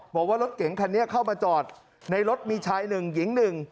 บอกว่ารถเก๋งคันนี้เข้ามาจอดในรถมีชายหนึ่งหญิงหนึ่ง